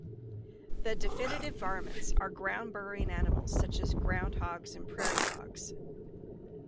The definitive varmints are ground burrowing animals such as groundhogs and prairie dogs.